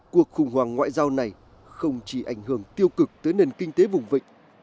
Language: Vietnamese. cuộc khủng hoảng ngoại giao này không chỉ ảnh hưởng tiêu cực tới nền kinh tế vùng vịnh